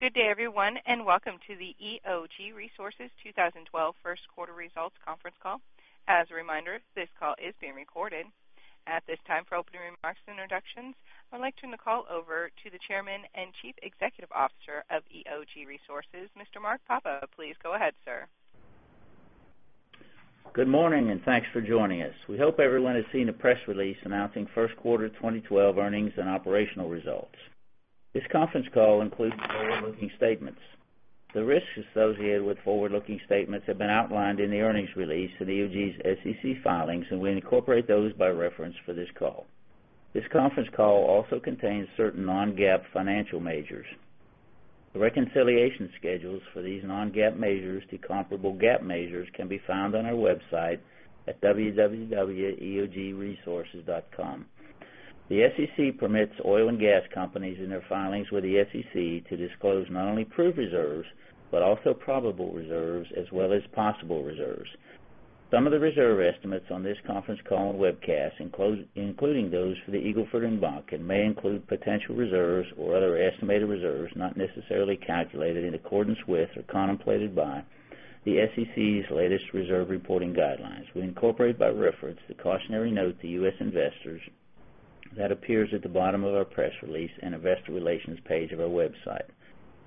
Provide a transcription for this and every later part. Good day, everyone, welcome to the EOG Resources 2012 first quarter results conference call. As a reminder, this call is being recorded. At this time, for opening remarks and introductions, I'd like to turn the call over to the Chairman and Chief Executive Officer of EOG Resources, Mr. Mark Papa. Please go ahead, sir. Good morning, thanks for joining us. We hope everyone has seen the press release announcing first quarter 2012 earnings and operational results. This conference call includes forward-looking statements. The risks associated with forward-looking statements have been outlined in the earnings release of EOG's SEC filings, we incorporate those by reference for this call. This conference call also contains certain non-GAAP financial measures. The reconciliation schedules for these non-GAAP measures to comparable GAAP measures can be found on our website at www.eogresources.com. The SEC permits oil and gas companies in their filings with the SEC to disclose not only proved reserves, but also probable reserves as well as possible reserves. Some of the reserve estimates on this conference call and webcast, including those for the Eagle Ford and Bakken, may include potential reserves or other estimated reserves not necessarily calculated in accordance with or contemplated by the SEC's latest reserve reporting guidelines. We incorporate by reference the cautionary note to U.S. investors that appears at the bottom of our press release in investor relations page of our website.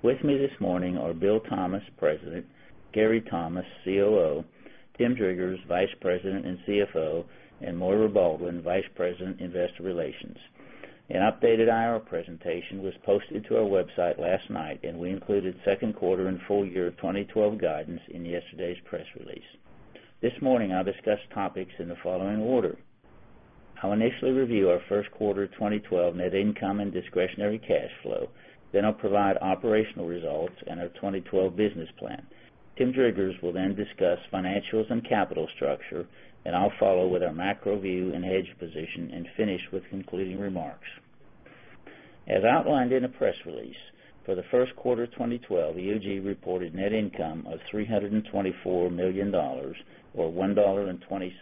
With me this morning are Bill Thomas, President, Gary Thomas, COO, Tim Driggers, Vice President and CFO, and Maire Baldwin, Vice President, Investor Relations. An updated IR presentation was posted to our website last night, we included second quarter and full year 2012 guidance in yesterday's press release. This morning, I'll discuss topics in the following order. I'll initially review our first quarter 2012 net income and discretionary cash flow. I'll provide operational results and our 2012 business plan. Tim Driggers will discuss financials and capital structure, I'll follow with our macro view and hedge position and finish with concluding remarks. As outlined in the press release, for the first quarter 2012, EOG reported net income of $324 million, or $1.20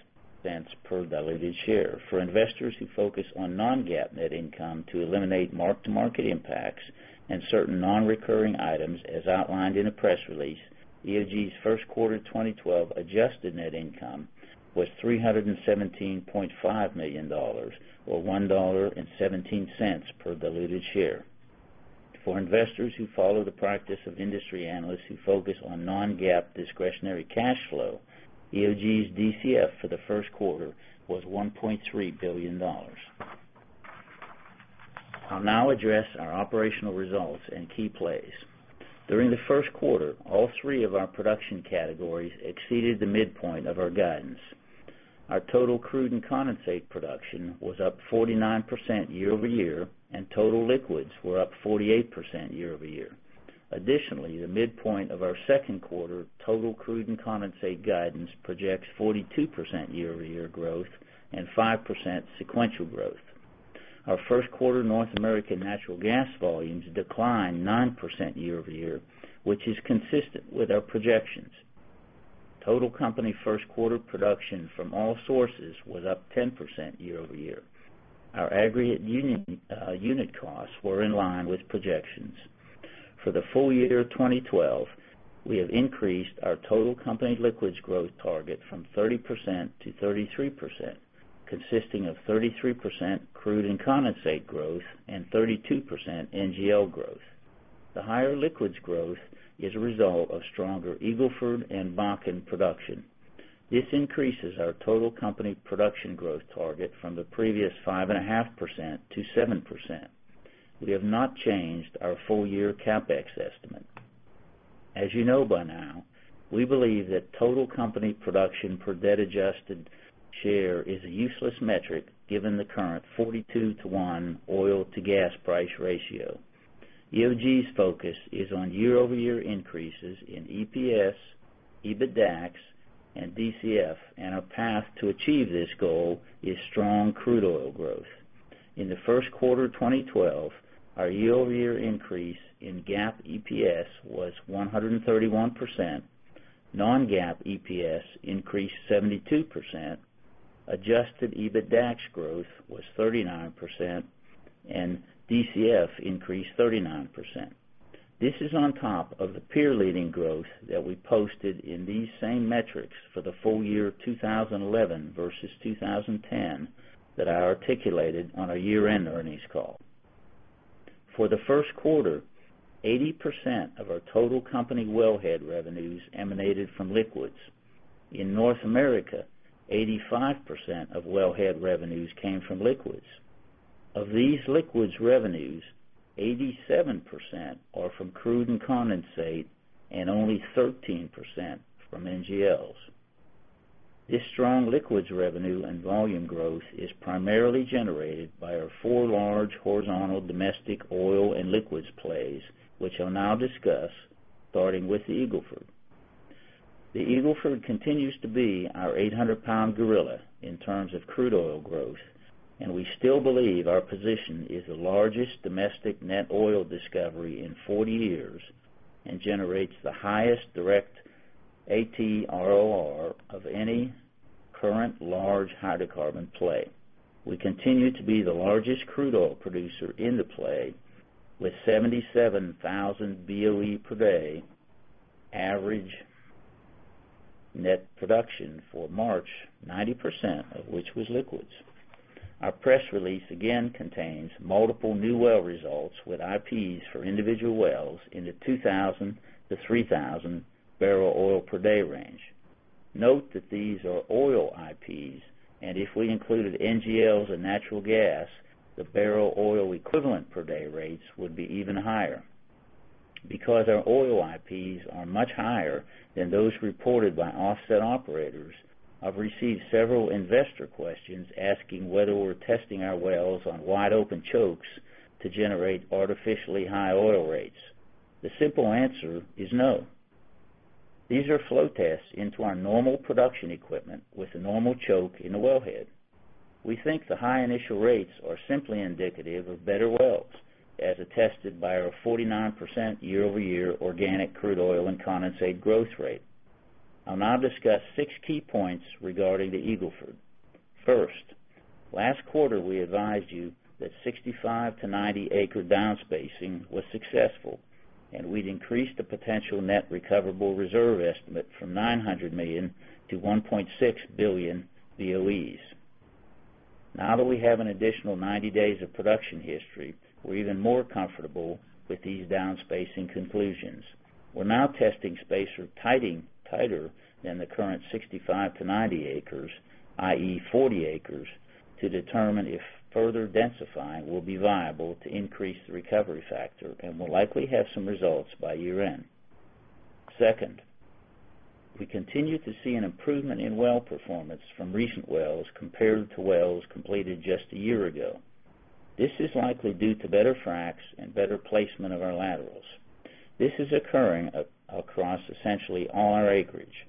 per diluted share. For investors who focus on non-GAAP net income to eliminate mark-to-market impacts and certain non-recurring items as outlined in the press release, EOG's first quarter 2012 adjusted net income was $317.5 million, or $1.17 per diluted share. For investors who follow the practice of industry analysts who focus on non-GAAP discretionary cash flow, EOG's DCF for the first quarter was $1.3 billion. I'll now address our operational results and key plays. During the first quarter, all three of our production categories exceeded the midpoint of our guidance. Our total crude and condensate production was up 49% year-over-year, and total liquids were up 48% year-over-year. Additionally, the midpoint of our second quarter total crude and condensate guidance projects 42% year-over-year growth and 5% sequential growth. Our first quarter North American natural gas volumes declined 9% year-over-year, which is consistent with our projections. Total company first quarter production from all sources was up 10% year-over-year. Our aggregate unit costs were in line with projections. For the full year 2012, we have increased our total company liquids growth target from 30% to 33%, consisting of 33% crude and condensate growth and 32% NGL growth. The higher liquids growth is a result of stronger Eagle Ford and Bakken production. This increases our total company production growth target from the previous 5.5%-7%. We have not changed our full year CapEx estimate. As you know by now, we believe that total company production per debt adjusted share is a useless metric given the current 42:1 oil to gas price ratio. EOG's focus is on year-over-year increases in EPS, EBITDAX, and DCF. Our path to achieve this goal is strong crude oil growth. In the first quarter 2012, our year-over-year increase in GAAP EPS was 131%, non-GAAP EPS increased 72%, adjusted EBITDAX growth was 39%, and DCF increased 39%. This is on top of the peer-leading growth that we posted in these same metrics for the full year 2011 versus 2010 that I articulated on our year-end earnings call. For the first quarter, 80% of our total company wellhead revenues emanated from liquids. In North America, 85% of wellhead revenues came from liquids. Of these liquids revenues, 87% are from crude and condensate, and only 13% from NGLs. This strong liquids revenue and volume growth is primarily generated by our four large horizontal domestic oil and liquids plays, which I'll now discuss, starting with the Eagle Ford. The Eagle Ford continues to be our 800 lbs gorilla in terms of crude oil growth. We still believe our position is the largest domestic net oil discovery in 40 years and generates the highest direct ATROR of any current large hydrocarbon play. We continue to be the largest crude oil producer in the play, with 77,000 BOE per day average net production for March, 90% of which was liquids. Our press release again contains multiple new well results with IPs for individual wells in the 2,000 bbls-3,000 bbls oil per day range. Note that these are oil IPs, and if we included NGLs and natural gas, the barrel oil equivalent per day rates would be even higher. Because our oil IPs are much higher than those reported by offset operators, I've received several investor questions asking whether we're testing our wells on wide open chokes to generate artificially high oil rates. The simple answer is no. These are flow tests into our normal production equipment with a normal choke in the wellhead. We think the high initial rates are simply indicative of better wells, as attested by our 49% year-over-year organic crude oil and condensate growth rate. I'll now discuss six key points regarding the Eagle Ford. First, last quarter, we advised you that 65 to 90 acre downspacing was successful. We'd increased the potential net recoverable reserve estimate from 900 million to 1.6 billion BOEs. Now that we have an additional 90 days of production history, we're even more comfortable with these downspacing conclusions. We're now testing spacing tighter than the current 65-90 acres, i.e., 40 acres, to determine if further densifying will be viable to increase the recovery factor and will likely have some results by year-end. Second, we continue to see an improvement in well performance from recent wells compared to wells completed just a year ago. This is likely due to better fracs and better placement of our laterals. This is occurring across essentially all our acreage.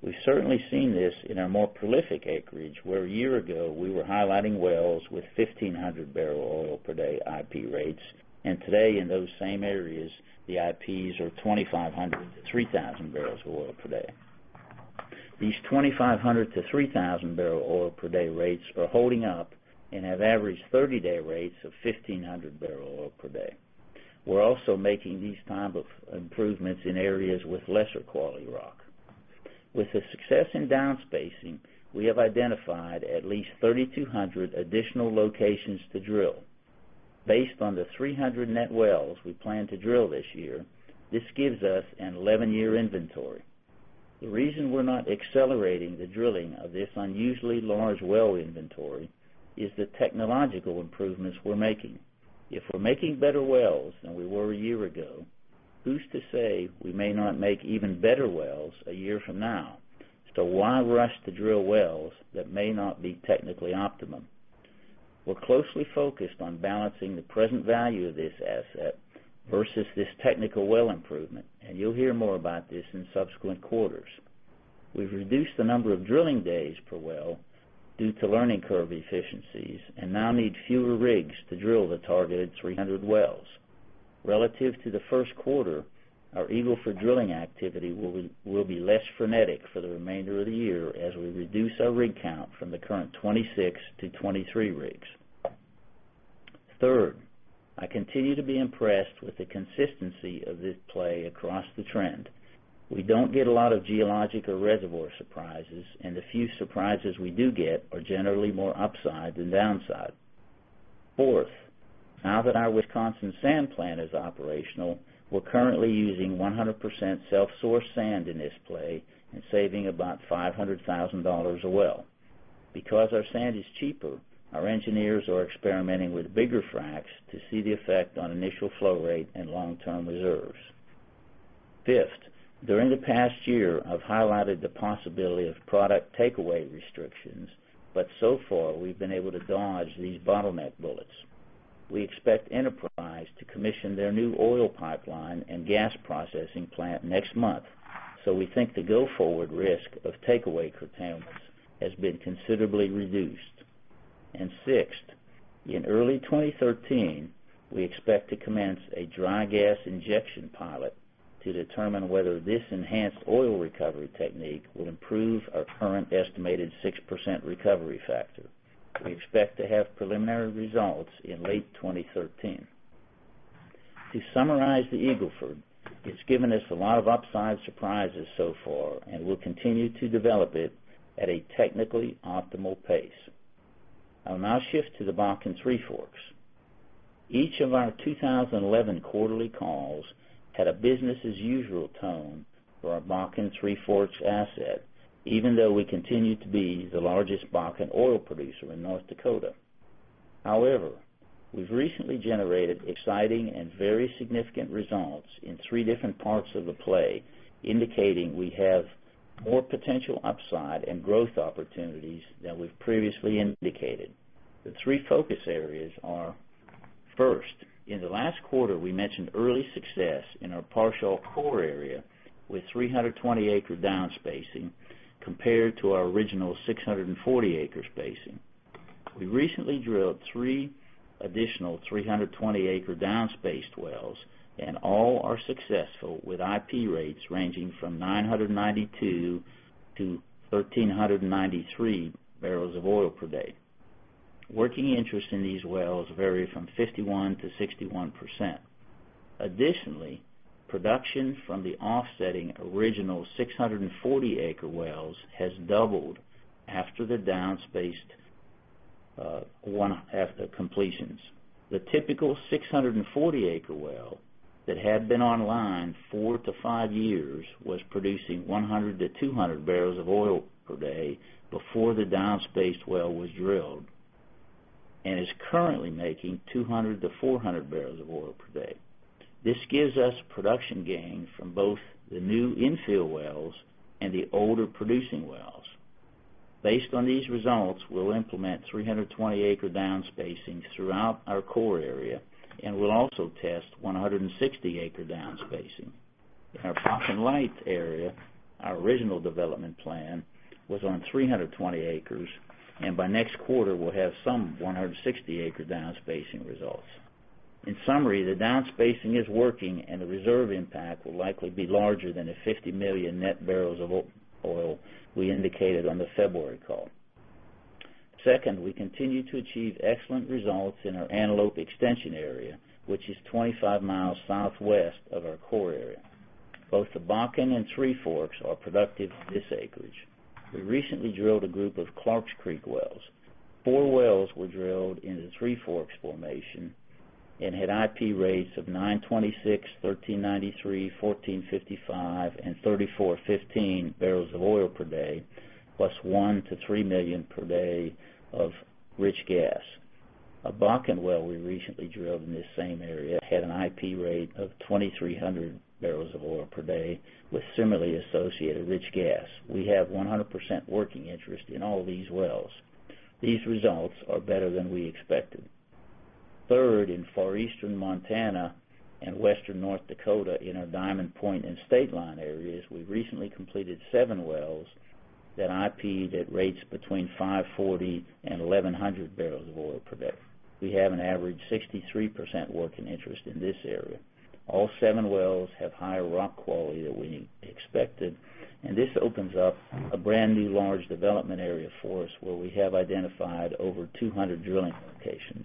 We've certainly seen this in our more prolific acreage, where a year ago, we were highlighting wells with 1,500 bpd IP rates, and today in those same areas, the IPs are 2,500 bpd-3,000 bpd. These 2,500-3,000 bpd rates are holding up and have averaged 30-day rates of 1,500 bpd. We're also making these type of improvements in areas with lesser quality rock. With the success in downspacing, we have identified at least 3,200 additional locations to drill. Based on the 300 net wells we plan to drill this year, this gives us an 11-year inventory. The reason we're not accelerating the drilling of this unusually large well inventory is the technological improvements we're making. If we're making better wells than we were a year ago, who's to say we may not make even better wells a year from now? Why rush to drill wells that may not be technically optimum? We're closely focused on balancing the present value of this asset versus this technical well improvement, and you'll hear more about this in subsequent quarters. We've reduced the number of drilling days per well due to learning curve efficiencies and now need fewer rigs to drill the targeted 300 wells. Relative to the first quarter, our Eagle Ford drilling activity will be less frenetic for the remainder of the year as we reduce our rig count from the current 26-23 rigs. Third, I continue to be impressed with the consistency of this play across the trend. We don't get a lot of geological reservoir surprises, and the few surprises we do get are generally more upside than downside. Fourth, now that our Wisconsin sand plant is operational, we're currently using 100% self-sourced sand in this play and saving about $500,000 a well. Because our sand is cheaper, our engineers are experimenting with bigger fracs to see the effect on initial flow rate and long-term reserves. Fifth, during the past year, I've highlighted the possibility of product takeaway restrictions, but so far, we've been able to dodge these bottleneck bullets. We expect Enterprise to commission their new oil pipeline and gas processing plant next month, so we think the go-forward risk of takeaway curtailments has been considerably reduced. Sixth, in early 2013, we expect to commence a dry gas injection pilot to determine whether this enhanced oil recovery technique will improve our current estimated 6% recovery factor. We expect to have preliminary results in late 2013. To summarize the Eagle Ford, it's given us a lot of upside surprises so far, and we'll continue to develop it at a technically optimal pace. I'll now shift to the Bakken Three Forks. Each of our 2011 quarterly calls had a business as usual tone for our Bakken Three Forks asset, even though we continued to be the largest Bakken oil producer in North Dakota. We've recently generated exciting and very significant results in three different parts of the play, indicating we have more potential upside and growth opportunities than we've previously indicated. The three focus areas are, first, in the last quarter, we mentioned early success in our Parshall core area with 320-acre downspacing compared to our original 640-acre spacing. We recently drilled three additional 320-acre down-spaced wells, and all are successful with IP rates ranging from 992 bpd-1,393 bpd. Working interest in these wells vary from 51%-61%. Production from the offsetting original 640-acre wells has doubled after the down-spaced ones have the completions. The typical 640-acre well that had been online four to five years was producing 100 bpd-200 bpd before the down-spaced well was drilled, and is currently making 200 bpd-400 bpd. This gives us production gain from both the new infill wells and the older producing wells. Based on these results, we'll implement 320-acre down-spacings throughout our core area, and we'll also test 160-acre down-spacing. In our Pocket Light area, our original development plan was on 320 acres, and by next quarter, we'll have some 160-acre down-spacing results. In summary, the down-spacing is working, and the reserve impact will likely be larger than the $50 million net barrels of oil we indicated on the February call. We continue to achieve excellent results in our Antelope Extension area, which is 25 mi southwest of our core area. Both the Bakken and Three Forks are productive this acreage. We recently drilled a group of Clarks Creek wells. Four wells were drilled in the Three Forks formation and had IP rates of 926, 1,393, 1,455, and 3,415 bpd, plus 1-3 million per day of rich gas. A Bakken well we recently drilled in the same area had an IP rate of 2,300 bpd with similarly associated rich gas. We have 100% working interest in all these wells. These results are better than we expected. In far eastern Montana and western North Dakota, in our Diamond Point and State Line areas, we recently completed seven wells that IP'd at rates between 540 bpd-1,100 bpd. We have an average 63% working interest in this area. All seven wells have higher rock quality than we expected, and this opens up a brand-new large development area for us where we have identified over 200 drilling locations.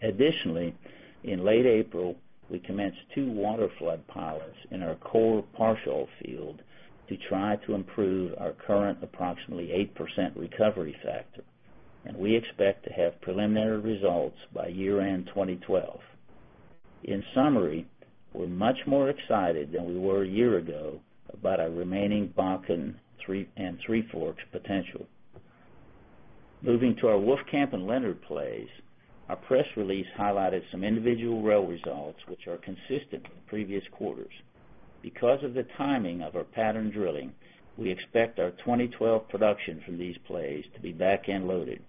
In late April, we commenced two water flood pilots in our core Parshall Field to try to improve our current approximately 8% recovery factor, and we expect to have preliminary results by year-end 2012. In summary, we're much more excited than we were a year ago about our remaining Bakken and Three Forks potential. Moving to our Wolfcamp and Leonard plays, our press release highlighted some individual well results which are consistent with previous quarters. Of the timing of our pattern drilling, we expect our 2012 production from these plays to be back-end loaded.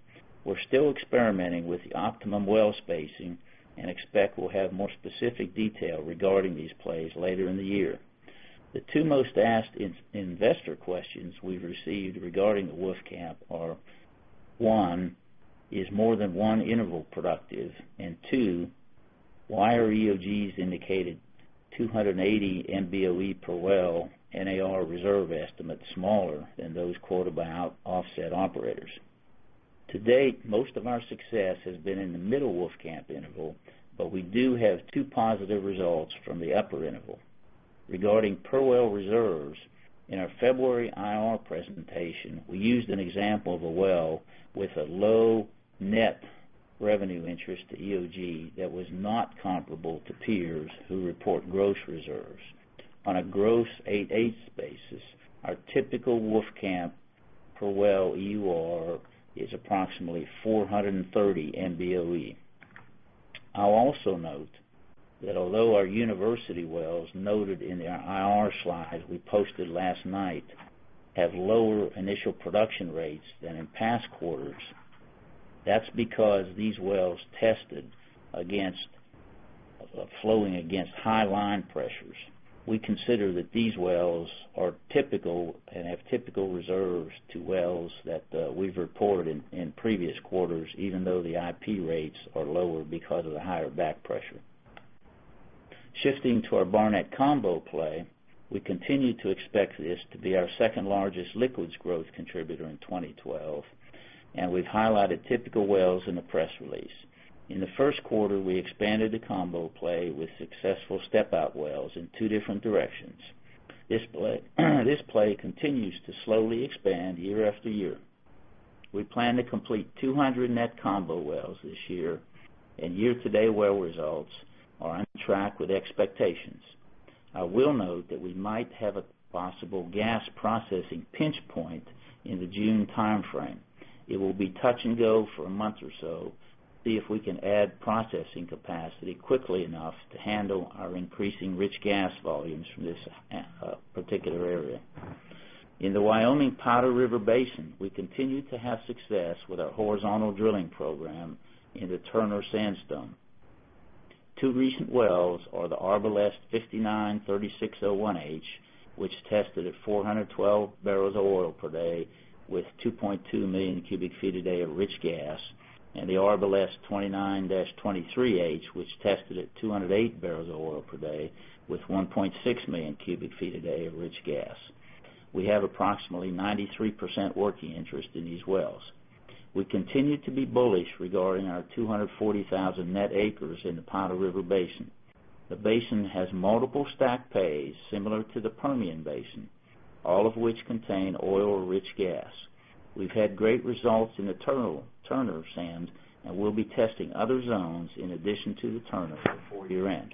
We're still experimenting with the optimum well spacing and expect we'll have more specific detail regarding these plays later in the year. The two most asked investor questions we've received regarding the Wolfcamp are, one, is more than one interval productive? And two, why are EOG's indicated 280 MBOE per well NAR reserve estimates smaller than those quoted by offset operators? To date, most of our success has been in the Middle Wolfcamp interval, but we do have two positive results from the upper interval. Regarding per well reserves, in our February IR presentation, we used an example of a well with a low net revenue interest to EOG that was not comparable to peers who report gross reserves. On a gross 8/8 basis, our typical Wolfcamp per well EUR is approximately 430 MBOE. I'll also note that although our university wells noted in the IR slides we posted last night have lower initial production rates than in past quarters, that's because these wells tested against flowing against high line pressures. We consider that these wells are typical and have typical reserves to wells that we've reported in previous quarters, even though the IP rates are lower because of the higher back pressure. Shifting to our Barnett Combo play, we continue to expect this to be our second-largest liquids growth contributor in 2012, and we've highlighted typical wells in the press release. In the first quarter, we expanded the Combo play with successful step-out wells in two different directions. This play continues to slowly expand year after year. We plan to complete 200 net Combo wells this year, and year-to-date well results are on track with expectations. I will note that we might have a possible gas processing pinch point in the June timeframe. It will be touch and go for a month or so to see if we can add processing capacity quickly enough to handle our increasing rich gas volumes from this particular area. In the Wyoming Powder River Basin, we continue to have success with our horizontal drilling program in the Turner Sandstone. Two recent wells are the Arboles 5936-01H, which tested at 412 bpd with 2.2 million cubic feet a day of rich gas, and the Arboles 29-23H, which tested at 208 bpd with 1.6 million cubic feet a day of rich gas. We have approximately 93% working interest in these wells. We continue to be bullish regarding our 240,000 net acres in the Powder River Basin. The basin has multiple stack pays similar to the Permian Basin, all of which contain oil-rich gas. We've had great results in the Turner sands, and we'll be testing other zones in addition to the Turner before year-end.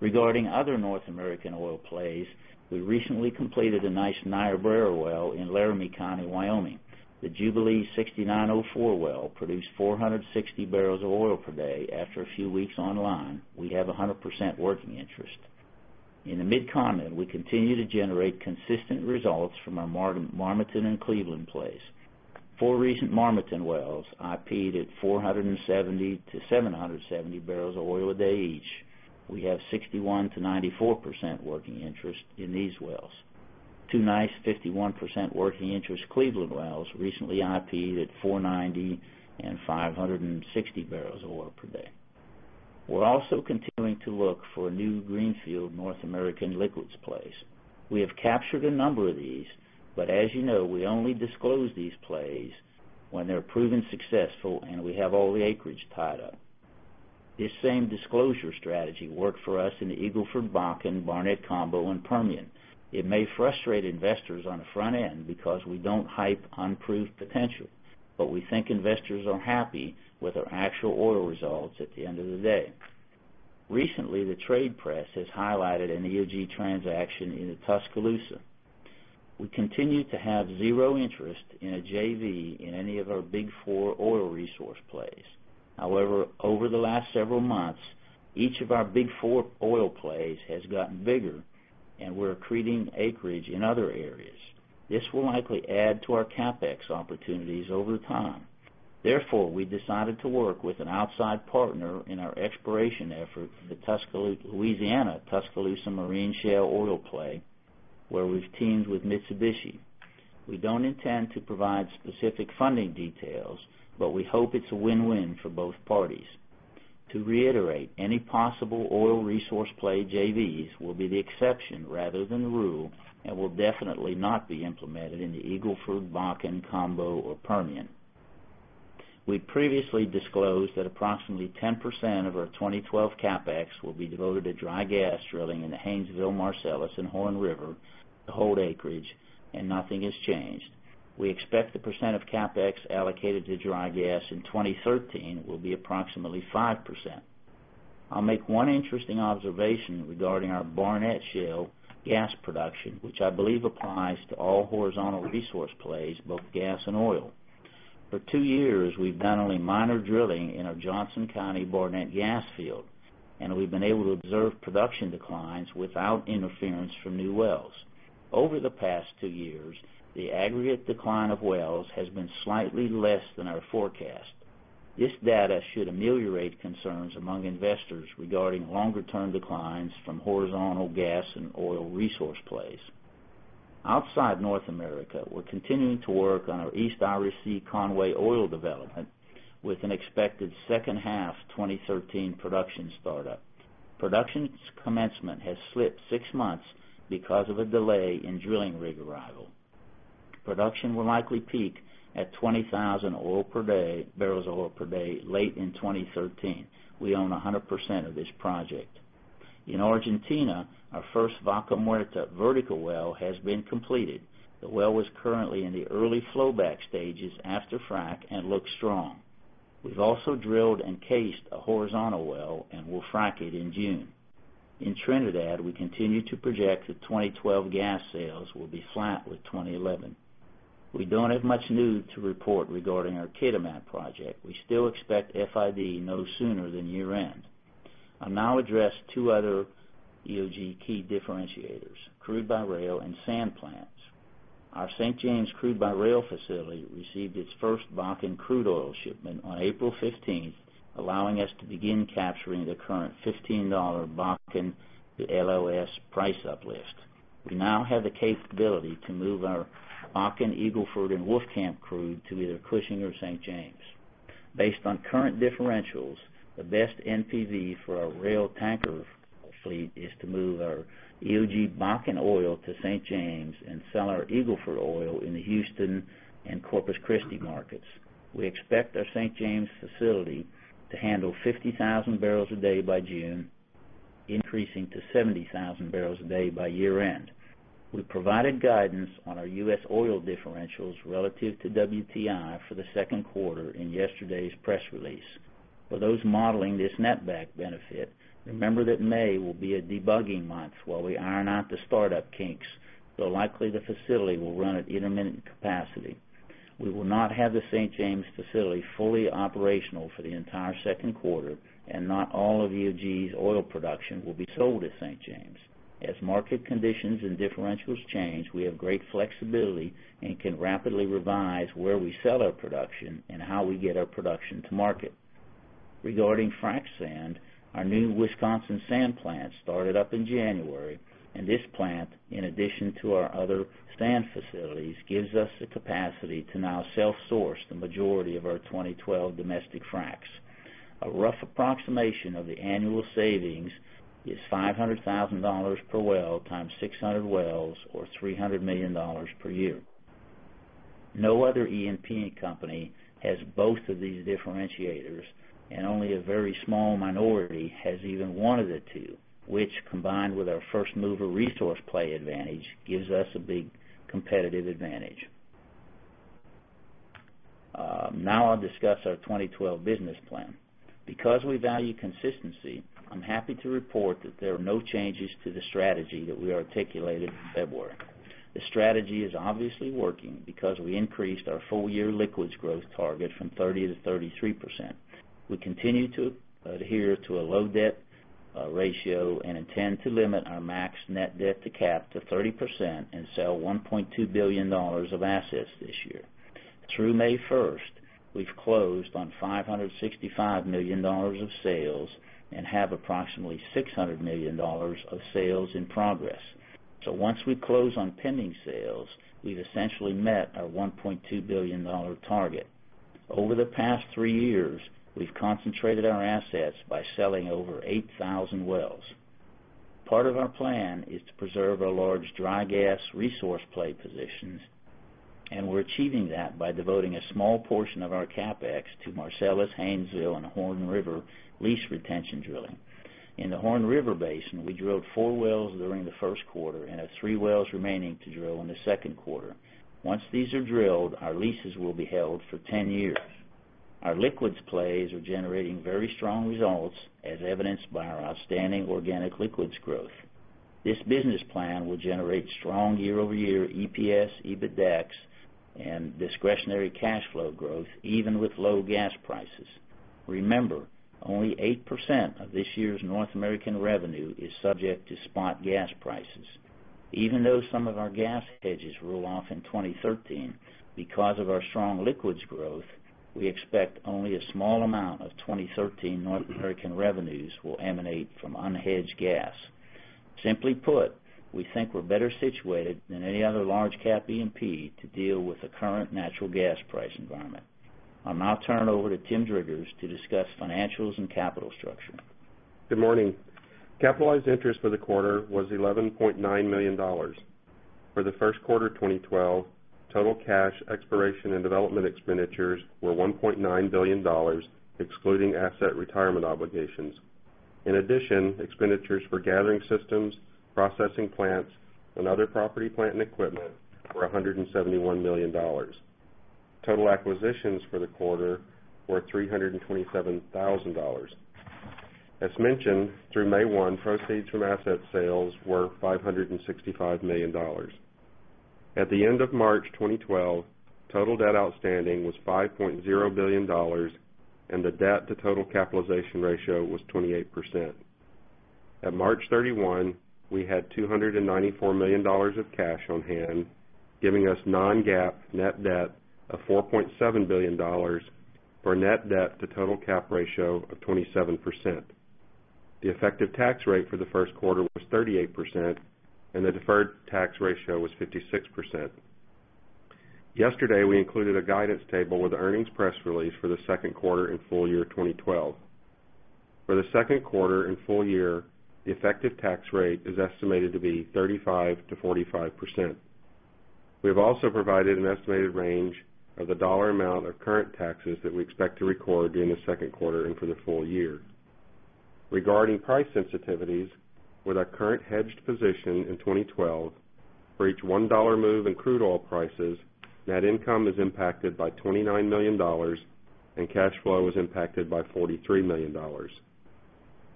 Regarding other North American oil plays, we recently completed a nice Niobrara well in Laramie County, Wyoming. The Jubilee 6904 well produced 460 bpd after a few weeks online. We have 100% working interest. In the Mid-Continent, we continue to generate consistent results from our Marmaton and Cleveland plays. Four recent Marmaton wells IP'd at 470 bpd-770 bpd each. We have 61%-94% working interest in these wells. Two nice 51% working interest Cleveland wells recently IP'd at 490 and 560 bpd. We're also continuing to look for new greenfield North American liquids plays. We have captured a number of these, as you know, we only disclose these plays when they are proven successful and we have all the acreage tied up. This same disclosure strategy worked for us in the Eagle Ford, Bakken, Barnett Combo, and Permian. It may frustrate investors on the front end because we do not hype unproved potential. We think investors are happy with our actual oil results at the end of the day. Recently, the trade press has highlighted an EOG transaction in the Tuscaloosa. We continue to have zero interest in a JV in any of our big four oil resource plays. Over the last several months, each of our big four oil plays has gotten bigger, and we are accreting acreage in other areas. This will likely add to our CapEx opportunities over time. We decided to work with an outside partner in our exploration effort for the Louisiana Tuscaloosa Marine Shale Oil Play, where we have teamed with Mitsubishi. We do not intend to provide specific funding details. We hope it is a win-win for both parties. To reiterate, any possible oil resource play JVs will be the exception rather than the rule and will definitely not be implemented in the Eagle Ford, Bakken, Combo, or Permian. We previously disclosed that approximately 10% of our 2012 CapEx will be devoted to dry gas drilling in the Haynesville, Marcellus, and Horn River to hold acreage. Nothing has changed. We expect the percent of CapEx allocated to dry gas in 2013 will be approximately 5%. I will make one interesting observation regarding our Barnett Shale gas production, which I believe applies to all horizontal resource plays, both gas and oil. For two years, we have done only minor drilling in our Johnson County Barnett gas field. We have been able to observe production declines without interference from new wells. Over the past two years, the aggregate decline of wells has been slightly less than our forecast. This data should ameliorate concerns among investors regarding longer-term declines from horizontal gas and oil resource plays. Outside North America, we are continuing to work on our East Irish Sea Conwy Oil development with an expected second half 2013 production startup. Production commencement has slipped six months because of a delay in drilling rig arrival. Production will likely peak at 20,000 bpd late in 2013. We own 100% of this project. In Argentina, our first Vaca Muerta vertical well has been completed. The well is currently in the early flowback stages after frack and looks strong. We have also drilled and cased a horizontal well and will frack it in June. In Trinidad, we continue to project that 2012 gas sales will be flat with 2011. We do not have much new to report regarding our Kitimat project. We still expect FID no sooner than year-end. I will now address two other EOG key differentiators, crude by rail and sand plants. Our St. James crude by rail facility received its first Bakken crude oil shipment on April 15th, allowing us to begin capturing the current $15 Bakken to LLS price uplift. We now have the capability to move our Bakken, Eagle Ford, and Wolfcamp crude to either Cushing or St. James. Based on current differentials, the best NPV for our rail tanker fleet is to move our EOG Bakken oil to St. James and sell our Eagle Ford oil in the Houston and Corpus Christi markets. We expect our St. James facility to handle 50,000 bpd by June, increasing to 70,000 bpd by year-end. We provided guidance on our U.S. oil differentials relative to WTI for the second quarter in yesterday's press release. For those modeling this netback benefit, remember that May will be a debugging month while we iron out the startup kinks, though likely the facility will run at intermittent capacity. We will not have the St. James facility fully operational for the entire second quarter, and not all of EOG's oil production will be sold at St. James. As market conditions and differentials change, we have great flexibility and can rapidly revise where we sell our production and how we get our production to market. Regarding frac sand, our new Wisconsin sand plant started up in January, and this plant, in addition to our other sand facilities, gives us the capacity to now self-source the majority of our 2012 domestic fracs. A rough approximation of the annual savings is $500,000 per well times 600 wells, or $300 million per year. No other E&P company has both of these differentiators, and only a very small minority has even one of the two, which, combined with our first-mover resource play advantage, gives us a big competitive advantage. I'll discuss our 2012 business plan. We value consistency, I'm happy to report that there are no changes to the strategy that we articulated in February. The strategy is obviously working because we increased our full-year liquids growth target from 30% to 33%. We continue to adhere to a low debt ratio and intend to limit our max net debt-to-cap to 30% and sell $1.2 billion of assets this year. Through May 1st, we've closed on $565 million of sales and have approximately $600 million of sales in progress. Once we close on pending sales, we've essentially met our $1.2 billion target. Over the past three years, we've concentrated our assets by selling over 8,000 wells. Part of our plan is to preserve our large dry gas resource play positions, and we're achieving that by devoting a small portion of our CapEx to Marcellus, Haynesville, and Horn River lease retention drilling. In the Horn River Basin, we drilled four wells during the first quarter and have three wells remaining to drill in the second quarter. Once these are drilled, our leases will be held for 10 years. Our liquids plays are generating very strong results, as evidenced by our outstanding organic liquids growth. This business plan will generate strong year-over-year EPS, EBITDAX, and discretionary cash flow growth even with low gas prices. Remember, only 8% of this year's North American revenue is subject to spot gas prices. Even though some of our gas hedges roll off in 2013, because of our strong liquids growth, we expect only a small amount of 2013 North American revenues will emanate from unhedged gas. Simply put, we think we're better situated than any other large cap E&P to deal with the current natural gas price environment. I'll now turn it over to Tim Driggers to discuss financials and capital structure. Good morning. Capitalized interest for the quarter was $11.9 million. For the first quarter 2012, total cash, exploration, and development expenditures were $1.9 billion, excluding asset retirement obligations. In addition, expenditures for gathering systems, processing plants, and other property, plant, and equipment were $171 million. Total acquisitions for the quarter were $327,000. As mentioned, through May 1, proceeds from asset sales were $565 million. At the end of March 2012, total debt outstanding was $5.0 billion, and the debt to total capitalization ratio was 28%. At March 31, we had $294 million of cash on hand, giving us non-GAAP net debt of $4.7 billion, for a net debt to total cap ratio of 27%. The effective tax rate for the first quarter was 38%, and the deferred tax ratio was 56%. Yesterday, we included a guidance table with the earnings press release for the second quarter and full year 2012. For the second quarter and full year, the effective tax rate is estimated to be 35% to 45%. We have also provided an estimated range of the dollar amount of current taxes that we expect to record during the second quarter and for the full year. Regarding price sensitivities, with our current hedged position in 2012, for each $1 move in crude oil prices, net income is impacted by $29 million and cash flow is impacted by $43 million.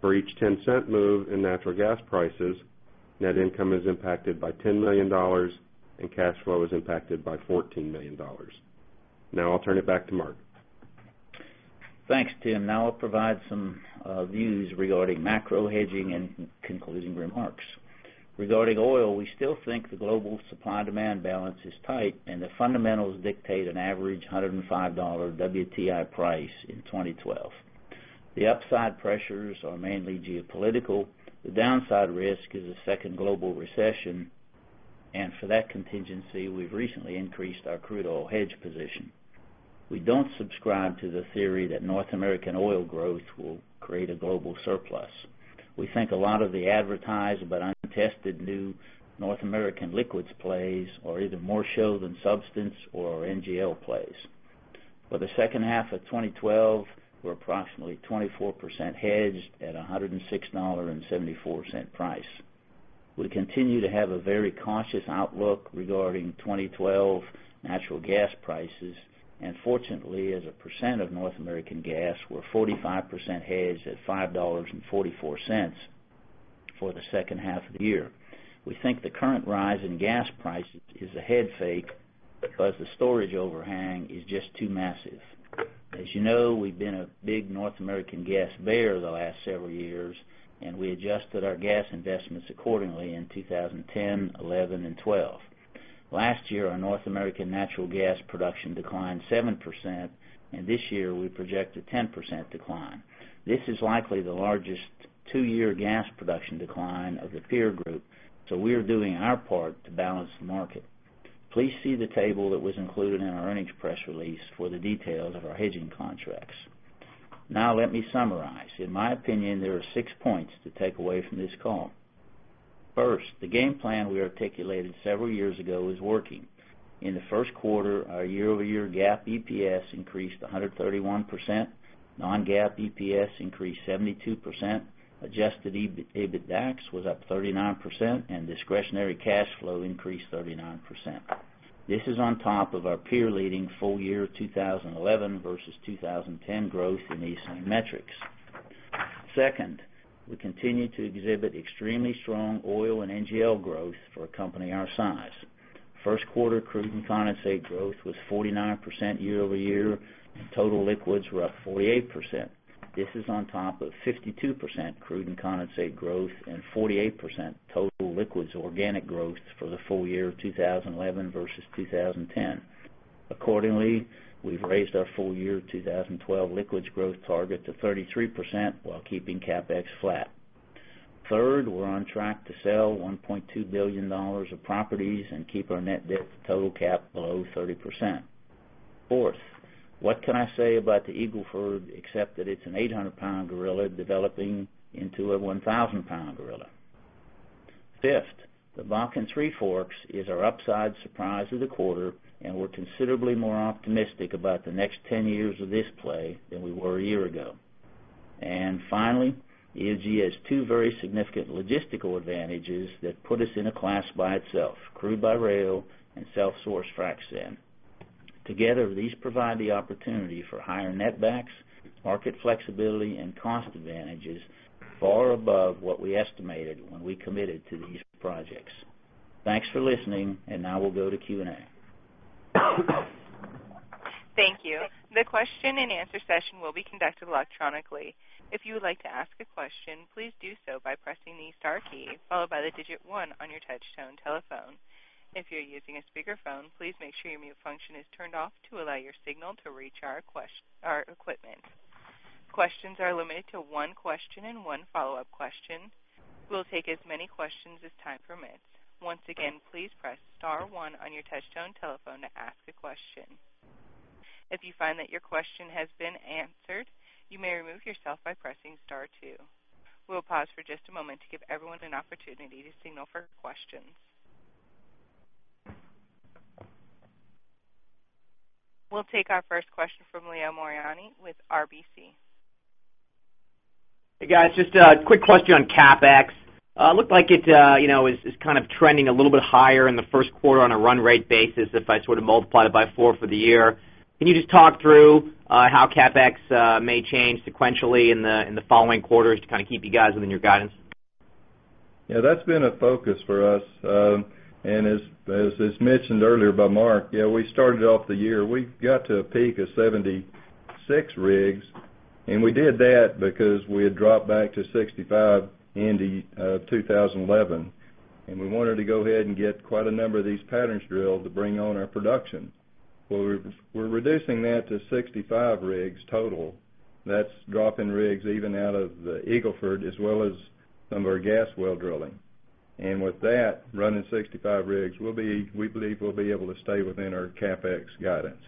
For each $0.10 move in natural gas prices, net income is impacted by $10 million and cash flow is impacted by $14 million. I'll turn it back to Mark. Thanks, Tim. I'll provide some views regarding macro hedging and concluding remarks. Regarding oil, we still think the global supply-demand balance is tight. The fundamentals dictate an average $105 WTI price in 2012. The upside pressures are mainly geopolitical. The downside risk is a second global recession. For that contingency, we've recently increased our crude oil hedge position. We don't subscribe to the theory that North American oil growth will create a global surplus. We think a lot of the advertised but untested new North American liquids plays are either more show than substance or NGL plays. For the second half of 2012, we're approximately 24% hedged at $106.74 price. We continue to have a very cautious outlook regarding 2012 natural gas prices. Fortunately, as a percent of North American gas, we're 45% hedged at $5.44 for the second half of the year. We think the current rise in gas prices is a head fake because the storage overhang is just too massive. As you know, we've been a big North American gas bearer the last several years. We adjusted our gas investments accordingly in 2010, 2011, and 2012. Last year, our North American natural gas production declined 7%. This year we project a 10% decline. This is likely the largest two-year gas production decline of the peer group. We're doing our part to balance the market. Please see the table that was included in our earnings press release for the details of our hedging contracts. Let me summarize. In my opinion, there are six points to take away from this call. First, the game plan we articulated several years ago is working. In the first quarter, our year-over-year GAAP EPS increased 131%, non-GAAP EPS increased 72%, adjusted EBITDAX was up 39%, and discretionary cash flow increased 39%. This is on top of our peer-leading full year 2011 versus 2010 growth in these same metrics. Second, we continue to exhibit extremely strong oil and NGL growth for a company our size. First quarter crude and condensate growth was 49% year-over-year, and total liquids were up 48%. This is on top of 52% crude and condensate growth and 48% total liquids organic growth for the full year of 2011 versus 2010. Accordingly, we've raised our full year 2012 liquids growth target to 33% while keeping CapEx flat. Third, we're on track to sell $1.2 billion of properties and keep our net debt to total cap below 30%. Fourth, what can I say about the Eagle Ford except that it's an 800-pound gorilla developing into a 1,000-pound gorilla? Fifth, the Bakken Three Forks is our upside surprise of the quarter, and we're considerably more optimistic about the next 10 years of this play than we were a year ago. Finally, EOG has two very significant logistical advantages that put us in a class by itself, crude by rail and self-source frac sand. Together, these provide the opportunity for higher net backs, market flexibility, and cost advantages far above what we estimated when we committed to these projects. Thanks for listening, and now we'll go to Q&A. Thank you. The question and answer session will be conducted electronically. If you would like to ask a question, please do so by pressing the star key followed by the digit one on your touchtone telephone. If you're using a speakerphone, please make sure your mute function is turned off to allow your signal to reach our equipment. Questions are limited to one question and one follow-up question. We'll take as many questions as time permits. Once again, please press star one on your touchtone telephone to ask a question. If you find that your question has been answered, you may remove yourself by pressing star two. We'll pause for just a moment to give everyone an opportunity to signal for questions. We'll take our first question from Leo Mariani with RBC. Hey, guys, just a quick question on CapEx. Looked like it is kind of trending a little bit higher in the first quarter on a run rate basis if I sort of multiply it by four for the year. Can you just talk through how CapEx may change sequentially in the following quarters to kind of keep you guys within your guidance? Yeah, that's been a focus for us. As is mentioned earlier by Mark, we started off the year, we got to a peak of 76 rigs, and we did that because we had dropped back to 65 end of 2011, and we wanted to go ahead and get quite a number of these patterns drilled to bring on our production. We're reducing that to 65 rigs total. That's dropping rigs even out of the Eagle Ford as well as some of our gas well drilling. With that, running 65 rigs, we believe we'll be able to stay within our CapEx guidance.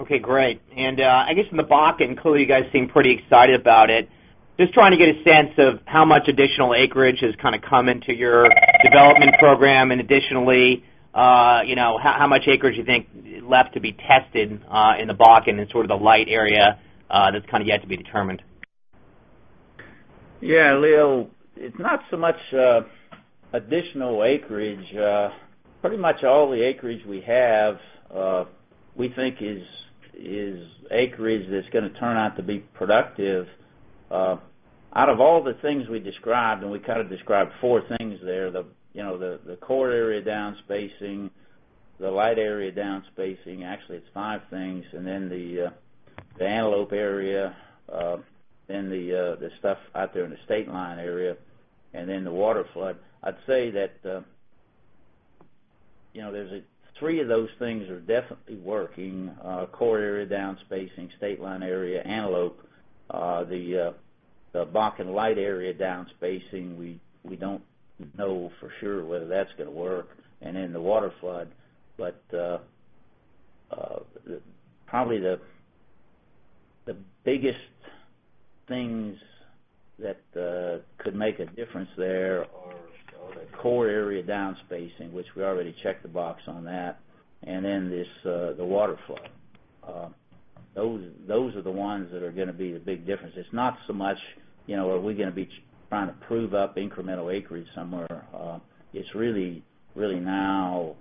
Okay, great. I guess in the Bakken, clearly you guys seem pretty excited about it. Just trying to get a sense of how much additional acreage has come into your development program, and additionally how much acreage you think left to be tested in the Bakken in sort of the light area that's kind of yet to be determined. Yeah, Leo, it's not so much additional acreage. Pretty much all the acreage we have we think is acreage that's going to turn out to be productive. Out of all the things we described, we kind of described four things there, the core area down-spacing, the light area down-spacing. Actually, it's five things. The Antelope area, then the stuff out there in the State Line area, the Waterflood. I'd say that three of those things are definitely working. Core area down-spacing, State Line area, Antelope. The Bakken light area down-spacing, we don't know for sure whether that's going to work, the Waterflood. Probably the biggest things that could make a difference there are the core area down-spacing, which we already checked the box on that, the Waterflood. Those are the ones that are going to be the big difference. It's not so much are we going to be trying to prove up incremental acreage somewhere. It's really now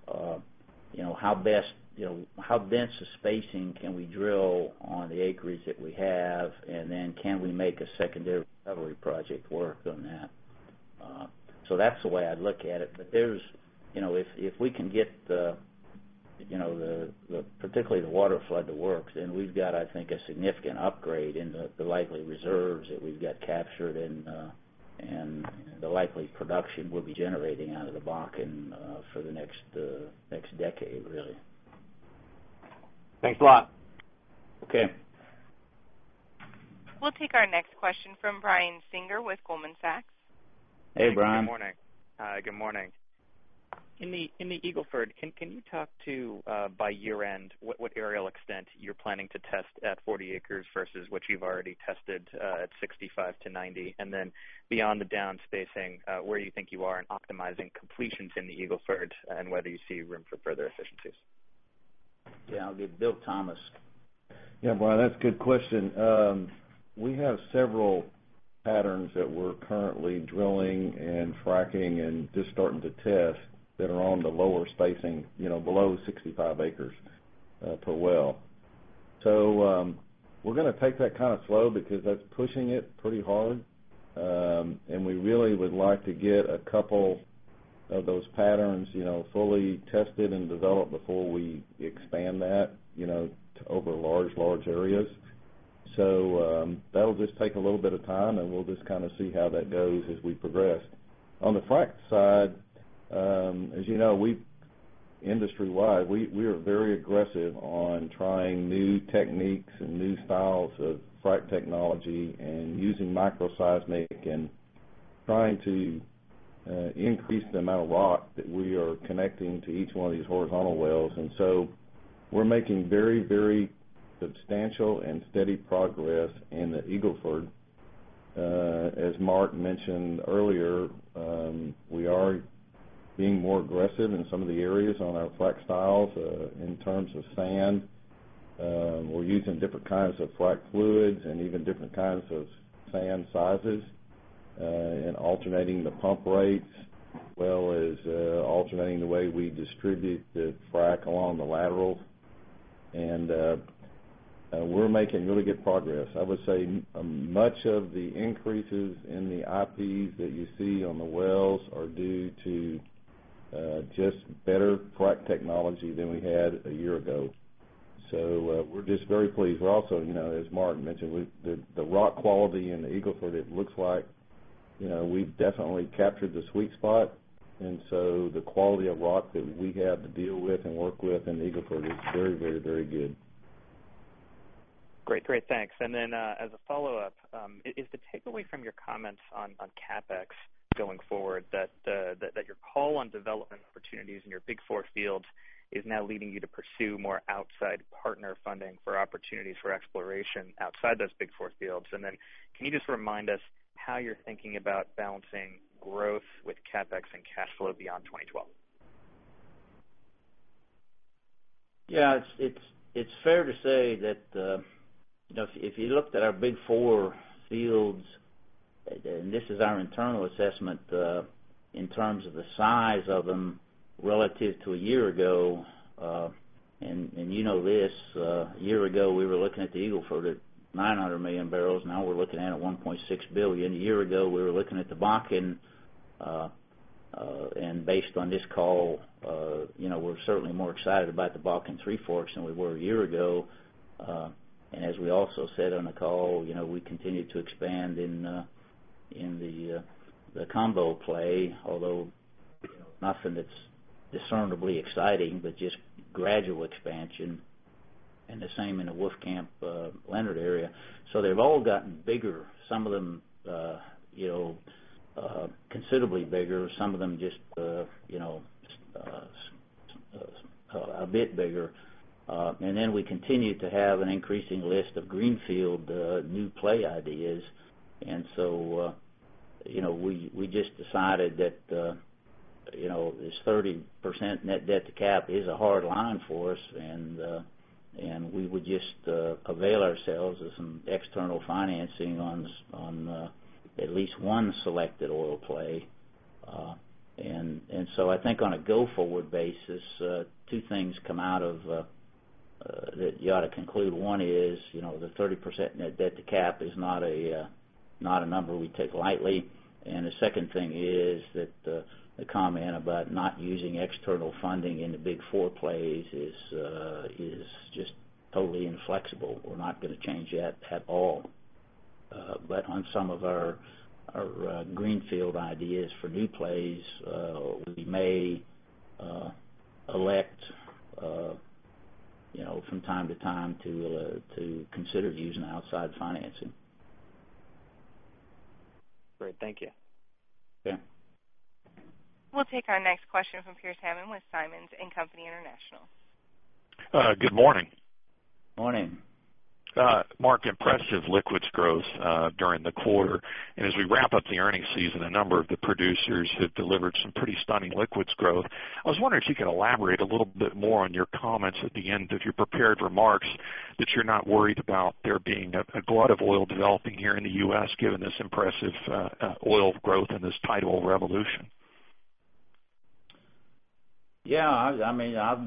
how dense a spacing can we drill on the acreage that we have, and then can we make a secondary recovery project work on that? That's the way I'd look at it. If we can get particularly the waterflood to work, then we've got, I think, a significant upgrade in the likely reserves that we've got captured and the likely production we'll be generating out of the Bakken for the next decade, really. Thanks a lot. Okay. We'll take our next question from Brian Singer with Goldman Sachs. Hey, Brian. Good morning. In the Eagle Ford, can you talk to, by year-end, what areal extent you're planning to test at 40 acres versus what you've already tested at 65-90? And then beyond the down spacing, where you think you are in optimizing completions in the Eagle Ford, and whether you see room for further efficiencies? Yeah, I'll get Bill Thomas. Yeah, Brian, that's a good question. We have several patterns that we're currently drilling and fracking and just starting to test that are on the lower spacing, below 65 acres per well. We're going to take that kind of slow because that's pushing it pretty hard. We really would like to get a couple of those patterns fully tested and developed before we expand that over large areas. That'll just take a little bit of time, and we'll just see how that goes as we progress. On the frack side, as you know, industry-wide, we are very aggressive on trying new techniques and new styles of frack technology, and using microseismic, and trying to increase the amount of rock that we are connecting to each one of these horizontal wells. We're making very substantial and steady progress in the Eagle Ford. As Mark mentioned earlier, we are being more aggressive in some of the areas on our frack styles in terms of sand. We're using different kinds of frack fluids and even different kinds of sand sizes, and alternating the pump rates, as well as alternating the way we distribute the frack along the laterals. We're making really good progress. I would say much of the increases in the IPs that you see on the wells are due to just better frack technology than we had a year ago. We're just very pleased. We're also, as Mark mentioned, the rock quality in the Eagle Ford, it looks like we've definitely captured the sweet spot, the quality of rock that we have to deal with and work with in the Eagle Ford is very good. Great. Thanks. As a follow-up, is the takeaway from your comments on CapEx going forward that your call on development opportunities in your big four fields is now leading you to pursue more outside partner funding for opportunities for exploration outside those big four fields? Can you just remind us how you're thinking about balancing growth with CapEx and cash flow beyond 2012? Yeah, it's fair to say that if you looked at our big four fields, and this is our internal assessment in terms of the size of them relative to a year ago, you know this, a year ago, we were looking at the Eagle Ford at 900 million barrels. Now we're looking at it at 1.6 billion. A year ago, we were looking at the Bakken, and based on this call, we're certainly more excited about the Bakken Three Forks than we were a year ago. As we also said on the call, we continue to expand in the combo play, although nothing that's discernibly exciting, but just gradual expansion, and the same in the Wolfcamp Leonard area. They've all gotten bigger. Some of them considerably bigger, some of them just a bit bigger. Then we continue to have an increasing list of greenfield new play ideas. We just decided that this 30% net debt to cap is a hard line for us, and we would just avail ourselves of some external financing on at least one selected oil play. I think on a go forward basis, two things come out of that you ought to conclude. One is, the 30% net debt to cap is not a number we take lightly. The second thing is that the comment about not using external funding in the big four plays is just totally inflexible. We're not going to change that at all. On some of our greenfield ideas for new plays, we may elect from time to time to consider using outside financing. Great. Thank you. Okay. We'll take our next question from Pearce Hammond with Simmons & Company International. Good morning. Morning. Mark, impressive liquids growth during the quarter. As we wrap up the earnings season, a number of the producers have delivered some pretty stunning liquids growth. I was wondering if you could elaborate a little bit more on your comments at the end of your prepared remarks that you're not worried about there being a glut of oil developing here in the U.S., given this impressive oil growth and this tight oil revolution. Yeah.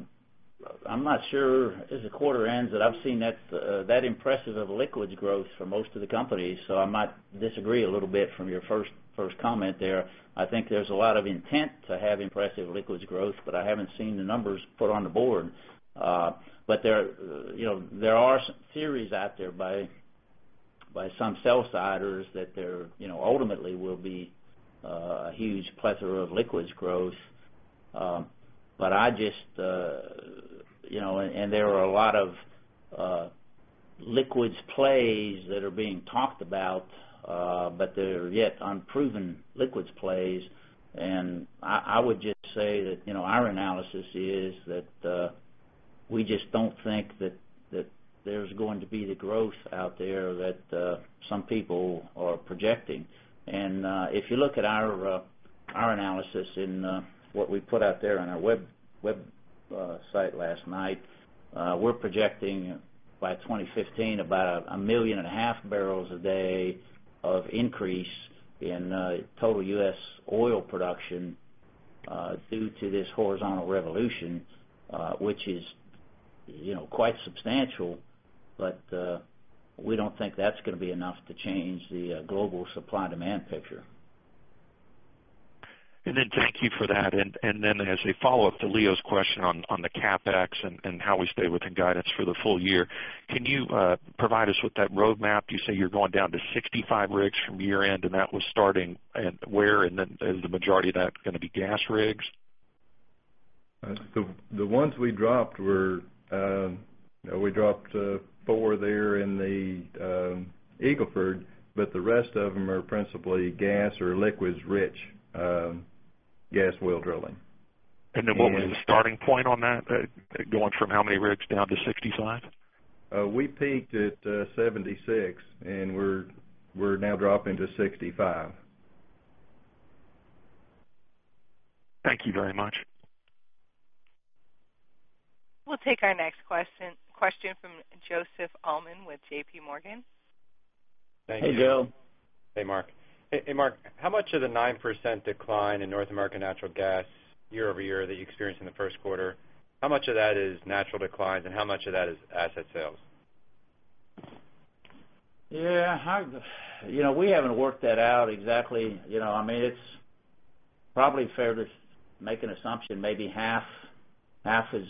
I'm not sure as the quarter ends that I've seen that impressive of liquids growth for most of the companies. I might disagree a little bit from your first comment there. I think there's a lot of intent to have impressive liquids growth, but I haven't seen the numbers put on the board. There are some theories out there by some sell-siders that there ultimately will be a huge plethora of liquids growth. There are a lot of liquids plays that are being talked about, but they're yet unproven liquids plays. I would just say that, our analysis is that, we just don't think that there's going to be the growth out there that some people are projecting. If you look at our analysis in what we put out there on our website last night, we're projecting by 2015, about 1,500,000 bpd of increase in total U.S. oil production, due to this horizontal revolution, which is quite substantial. We don't think that's going to be enough to change the global supply/demand picture. Thank you for that. As a follow-up to Leo's question on the CapEx and how we stay within guidance for the full year, can you provide us with that roadmap? You say you're going down to 65 rigs from year-end, and that was starting, and where, is the majority of that going to be gas rigs? The ones we dropped, We dropped four there in the Eagle Ford, the rest of them are principally gas or liquids-rich gas well drilling. What was the starting point on that? Going from how many rigs down to 65? We peaked at 76, we're now dropping to 65. Thank you very much. We'll take our next question from Joseph Allman with JPMorgan. Hey, Joe. Hey, Mark, how much of the 9% decline in North American natural gas year-over-year that you experienced in the first quarter, how much of that is natural declines and how much of that is asset sales? We haven't worked that out exactly. It's probably fair to make an assumption, maybe half is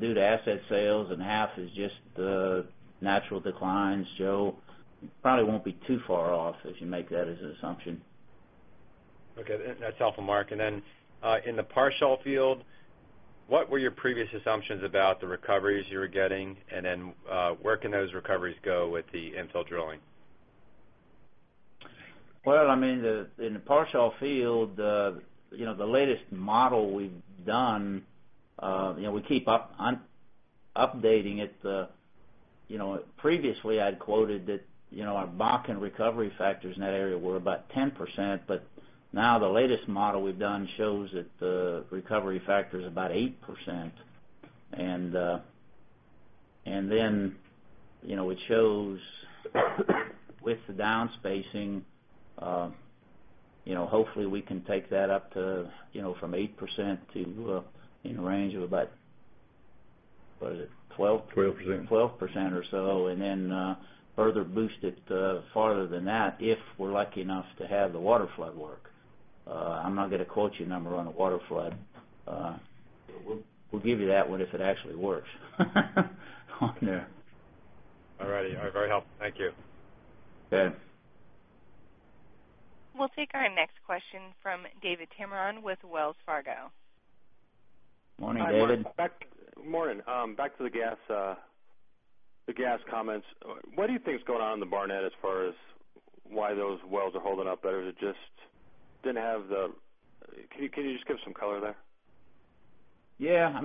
due to asset sales and half is just the natural declines, Joe. You probably won't be too far off if you make that as an assumption. Okay. That's helpful, Mark. In the Parshall Field, what were your previous assumptions about the recoveries you were getting, and then where can those recoveries go with the infill drilling? In the Parshall Field, the latest model we've done, we keep updating it. Previously, I'd quoted that our Bakken recovery factors in that area were about 10%, but now the latest model we've done shows that the recovery factor is about 8%. And then, it shows with the downspacing, hopefully, we can take that up from 8% to in range of about, what is it? 12? 12%. 12% or so, further boost it farther than that if we're lucky enough to have the water flood work. I'm not going to quote you a number on a water flood. We'll give you that one if it actually works on there. All right. Very helpful. Thank you. Okay. We'll take our next question from David Tameron with Wells Fargo. Morning, David. Morning. Back to the gas comments. What do you think is going on in the Barnett as far as why those wells are holding up better? Can you just give some color there? Yeah.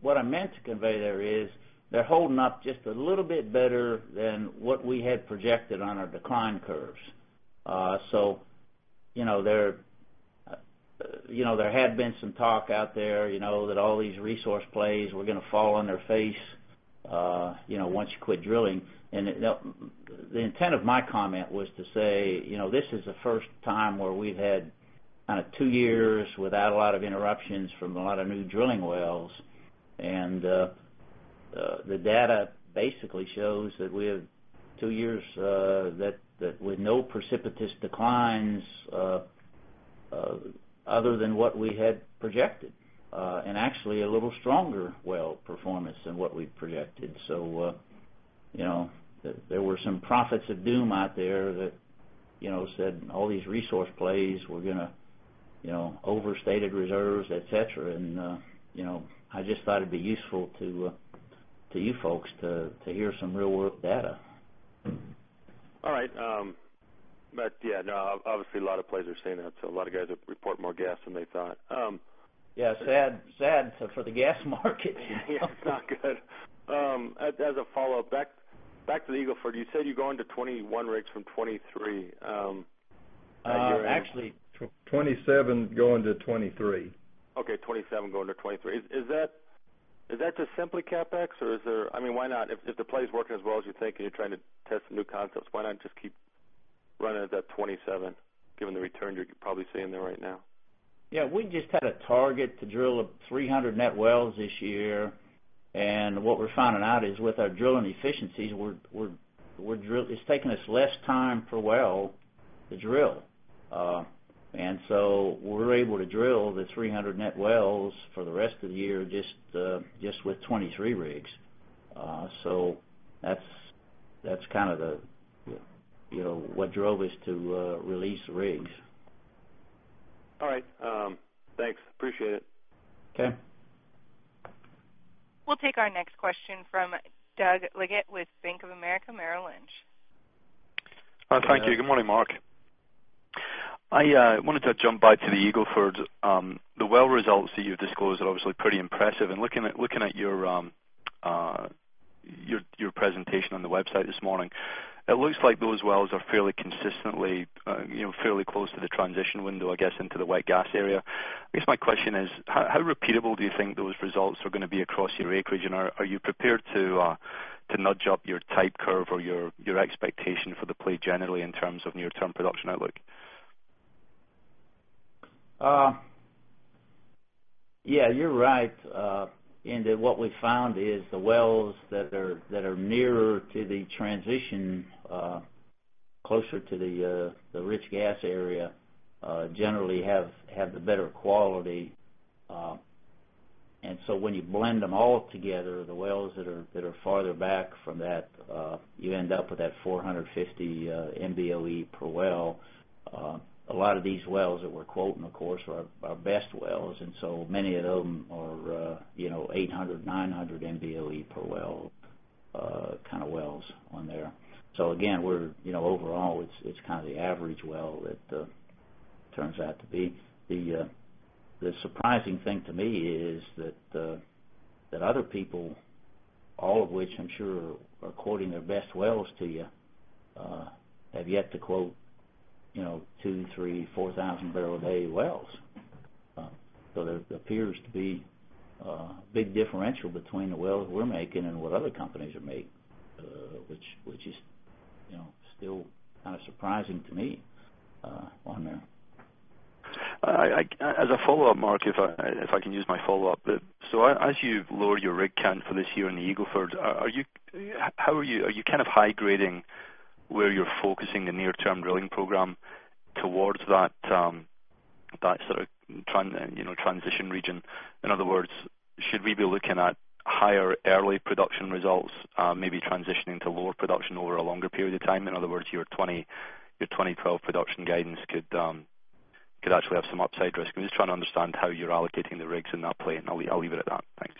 What I meant to convey there is they're holding up just a little bit better than what we had projected on our decline curves. There had been some talk out there, that all these resource plays were going to fall on their face once you quit drilling. The intent of my comment was to say, this is the first time where we've had two years without a lot of interruptions from a lot of new drilling wells. The data basically shows that we have two years, that with no precipitous declines other than what we had projected, and actually a little stronger well performance than what we'd projected. There were some prophets of doom out there that said all these resource plays were going to overstated reserves, et cetera, and I just thought it'd be useful to you folks to hear some real-world data. All right. Yeah, no, obviously a lot of players are saying that, so a lot of guys report more gas than they thought. Yeah. Sad for the gas market. Yeah. It's not good. As a follow-up, back to the Eagle Ford. You said you're going to 21 rigs from 23. Actually- 27, going to 23. Okay. 27, going to 23. Is that just simply CapEx? Why not? If the play's working as well as you think, and you're trying to test some new concepts, why not just keep Running at that 27, given the return you're probably seeing there right now. Yeah. We just had a target to drill 300 net wells this year. What we're finding out is with our drilling efficiencies, it's taking us less time per well to drill. We're able to drill the 300 net wells for the rest of the year just with 23 rigs. That's what drove us to release rigs. All right. Thanks. Appreciate it. Okay. We'll take our next question from Doug Leggate with Bank of America Merrill Lynch. Thank you. Good morning, Mark. I wanted to jump back to the Eagle Ford. The well results that you've disclosed are obviously pretty impressive, looking at your presentation on the website this morning, it looks like those wells are fairly consistently close to the transition window, I guess, into the wet gas area. I guess my question is, how repeatable do you think those results are going to be across your acreage? Are you prepared to nudge up your type curve or your expectation for the play generally in terms of near-term production outlook? Yeah, you're right, in that what we've found is the wells that are nearer to the transition, closer to the rich gas area, generally have the better quality. When you blend them all together, the wells that are farther back from that, you end up with that 450 MBOE per well. A lot of these wells that we're quoting, of course, are our best wells, and so many of them are 800, 900 MBOE per well kind of wells on there. Again, overall, it's the average well that turns out to be. The surprising thing to me is that other people, all of which I'm sure are quoting their best wells to you, have yet to quote 2,000 bpd, 3,000 bpd, 4,000 bpd wells. There appears to be a big differential between the wells we're making and what other companies are making, which is still surprising to me on there. As a follow-up, Mark, if I can use my follow-up. As you've lowered your rig count for this year in the Eagle Ford, are you high-grading where you're focusing the near-term drilling program towards that sort of transition region? In other words, should we be looking at higher early production results, maybe transitioning to lower production over a longer period of time? In other words, your 2012 production guidance could actually have some upside risk. I'm just trying to understand how you're allocating the rigs in that play, and I'll leave it at that. Thanks.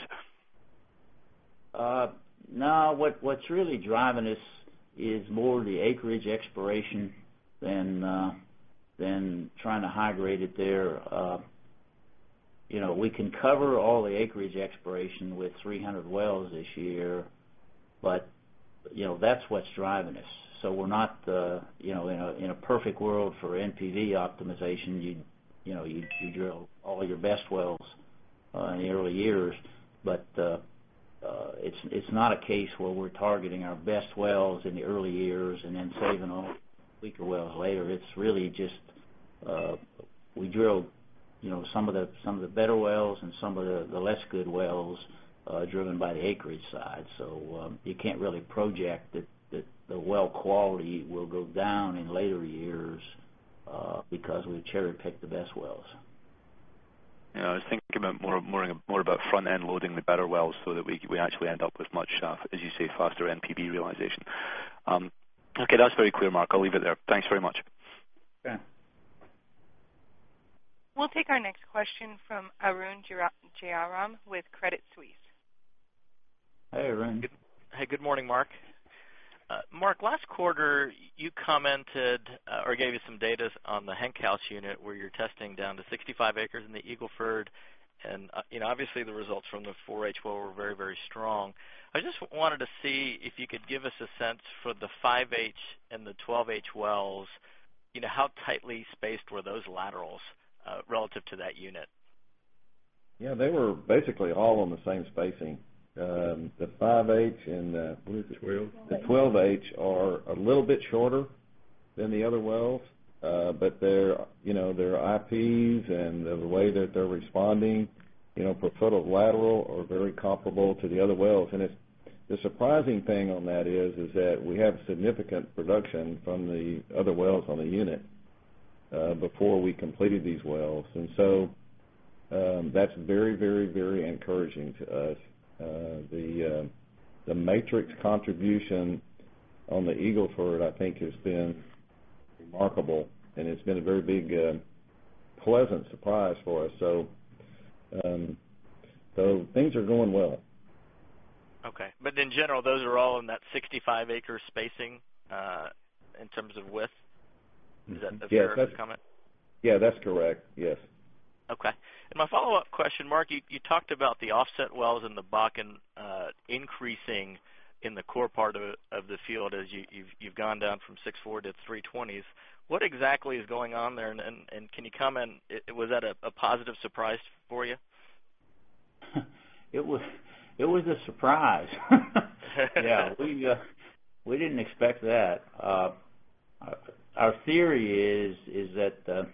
No, what's really driving us is more the acreage exploration than trying to high-grade it there. We can cover all the acreage exploration with 300 wells this year, but that's what's driving us. In a perfect world for NPV optimization, you'd drill all your best wells in the early years. It's not a case where we're targeting our best wells in the early years and then saving all the weaker wells later. It's really just we drill some of the better wells and some of the less good wells, driven by the acreage side. You can't really project that the well quality will go down in later years because we cherry-picked the best wells. Yeah, I was thinking more about front-end loading the better wells so that we actually end up with much, as you say, faster NPV realization. Okay, that's very clear, Mark. I'll leave it there. Thanks very much. Okay. We'll take our next question from Arun Jayaram with Credit Suisse. Hey, Arun. Hey, good morning, Mark. Mark, last quarter, you commented or gave us some data on the Henkhaus unit where you're testing down to 65 acres in the Eagle Ford, and obviously, the results from the 4H well were very strong. I just wanted to see if you could give us a sense for the 5H and the 12H wells, how tightly spaced were those laterals relative to that unit? Yeah, they were basically all on the same spacing. The 5H and the- I believe the 12 The 12H are a little bit shorter than the other wells. Their IPs and the way that they're responding, per foot of lateral, are very comparable to the other wells. The surprising thing on that is that we have significant production from the other wells on the unit before we completed these wells. That's very encouraging to us. The matrix contribution on the Eagle Ford, I think, has been remarkable, and it's been a very big pleasant surprise for us. Things are going well. Okay. In general, those are all in that 65-acre spacing, in terms of width? Is that a fair comment? Yeah, that's correct. Yes. Okay. My follow-up question, Mark, you talked about the offset wells in the Bakken increasing in the core part of the field as you've gone down from 640 to 320. What exactly is going on there, and can you comment, was that a positive surprise for you? It was a surprise. Yeah. We didn't expect that. Our theory is that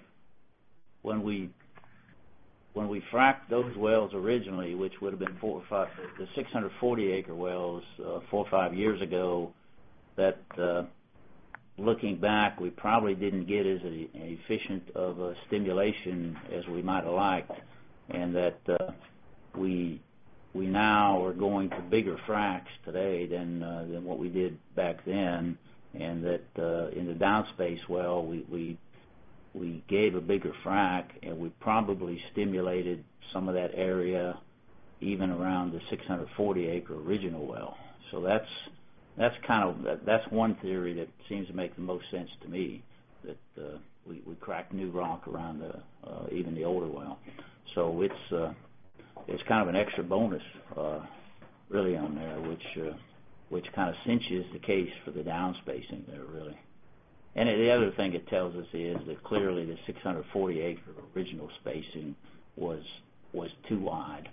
when we fracked those wells originally, the 640-acre wells four or five years ago, that looking back, we probably didn't get as efficient of a stimulation as we might've liked, and that we now are going to bigger fracs today than what we did back then. That in the downspace well, we gave a bigger frac, and we probably stimulated some of that area, even around the 640-acre original well. That's one theory that seems to make the most sense to me, that we cracked new rock around even the older well. It's kind of an extra bonus, really, on there, which kind of cinches the case for the downspacing there, really. The other thing it tells us is that clearly, the 640-acre original spacing was too wide.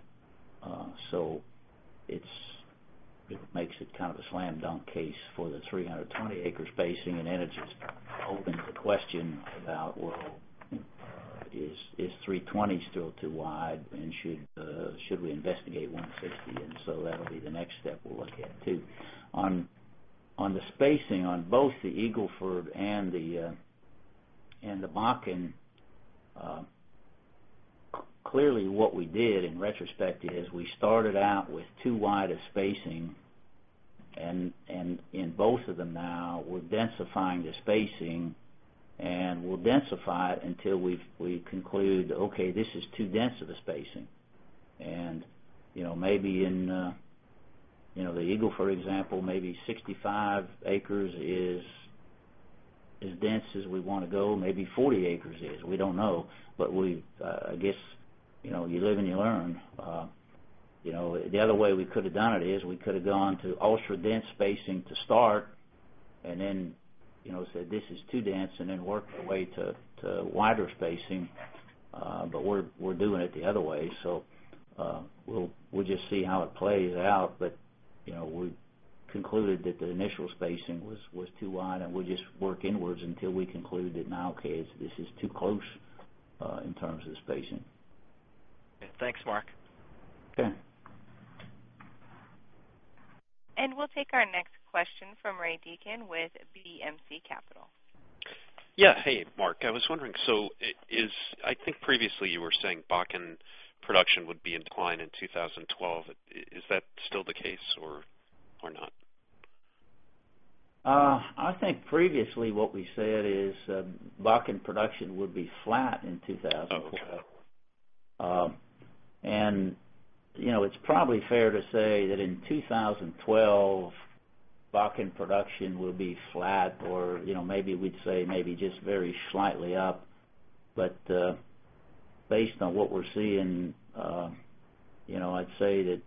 It makes it kind of a slam dunk case for the 320-acre spacing. Then it just opens the question about, well, is 320 still too wide, and should we investigate 160? That'll be the next step we'll look at too. On the spacing on both the Eagle Ford and the Bakken, clearly what we did, in retrospect, is we started out with too wide a spacing, and in both of them now, we're densifying the spacing, and we'll densify it until we conclude, "Okay, this is too dense of a spacing." Maybe in the Eagle, for example, maybe 65 acres is as dense as we want to go. Maybe 40 acres is. We don't know. But we, I guess, you live and you learn. The other way we could've done it is we could've gone to ultra-dense spacing to start, and then said this is too dense, and then worked our way to wider spacing. We're doing it the other way, so we'll just see how it plays out. We concluded that the initial spacing was too wide, and we'll just work inwards until we conclude that now, okay, this is too close in terms of the spacing. Okay. Thanks, Mark. Okay. We'll take our next question from Ray Deacon with BMC Capital. Yeah. Hey, Mark. I was wondering, I think previously you were saying Bakken production would be in decline in 2012. Is that still the case, or not? I think previously what we said is Bakken production would be flat in 2012. Okay. It's probably fair to say that in 2012, Bakken production will be flat, or maybe we'd say maybe just very slightly up. Based on what we're seeing, I'd say that